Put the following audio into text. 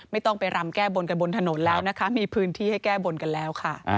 ไม่ต้องไปรำแก้บนกันบนถนนแล้วนะคะมีพื้นที่ให้แก้บนกันแล้วค่ะ